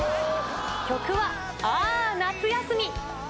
曲は、あー夏休み。